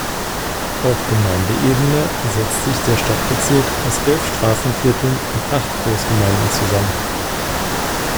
Auf Gemeindeebene setzt sich der Stadtbezirk aus elf Straßenvierteln und acht Großgemeinden zusammen.